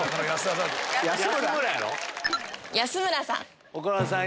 岡村さん